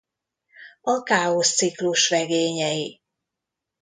A Káosz-ciklus regényei.